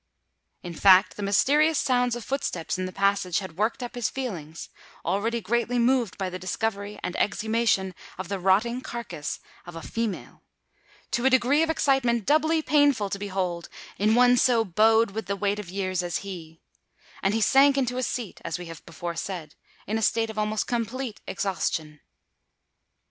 In fact, the mysterious sounds of footsteps in the passage had worked up his feelings, already greatly moved by the discovery and exhumation of the rotting carcass of a female, to a degree of excitement doubly painful to behold in one so bowed with the weight of years as he; and he sank into a seat, as we have before said, in a state of almost complete exhaustion.